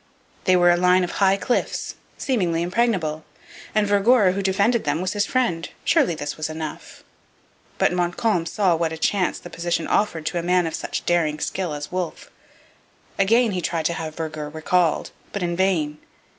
They were a line of high cliffs, seemingly impregnable, and Vergor who defended them was his friend. Surely this was enough! But Montcalm saw what a chance the position offered to a man of such daring skill as Wolfe. Again he tried to have Vergor recalled, but in vain.